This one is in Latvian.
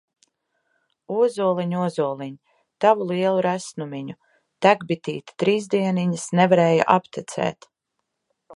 Ozoliņ, ozoliņ, Tavu lielu resnumiņu! Tek bitīte trīs dieniņas, Nevarēja aptecēt!